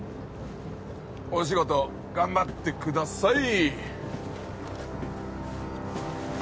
お仕事頑張ってください